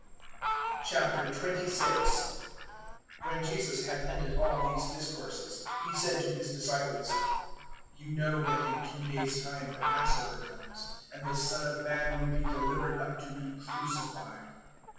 026:001 When Jesus had ended all these discourses, He said to His disciples, 026:002 "You know that in two days' time the Passover comes. And the Son of Man will be delivered up to be crucified."